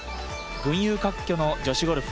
群雄割拠の女子ゴルフ。